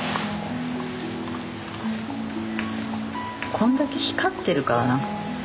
こんだけ光ってるからな。